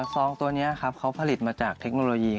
ซองตัวนี้ครับเขาผลิตมาจากเทคโนโลยี